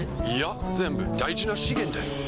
いや全部大事な資源だよ。